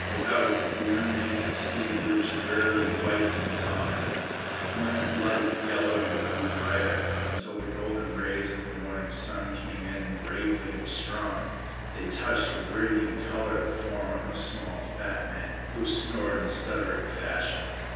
Without, the young man could see roofs drearily white in the dawning. The point of light yellowed and grew brighter, until the golden rays of the morning sun came in bravely and strong. They touched with radiant color the form of a small fat man, who snored in stuttering fashion.